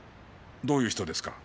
どういう人ですか？